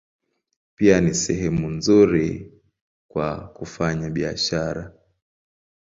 Pia ni sehemu nzuri kwa kufanya biashara.